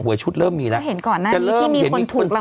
หวยชุดเริ่มมีแล้วเขาเห็นก่อนนั้นที่มีคนถูก